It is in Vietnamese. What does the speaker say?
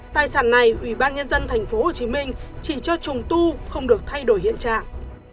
tài sản này ủy ban nhân dân tp hcm chỉ cho trùng tu không được thay đổi hiện trạng